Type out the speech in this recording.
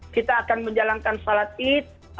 kita akan menjalankan sholat id